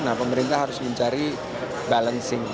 nah pemerintah harus mencari balancing